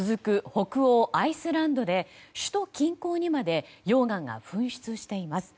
北欧アイスランドで首都近郊にまで溶岩が噴出しています。